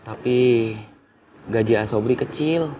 tapi gaji ah sobri kecil